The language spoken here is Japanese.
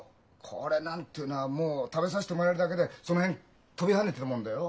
これなんていうのはもう食べさせてもらえるだけでその辺跳びはねてたもんだよ。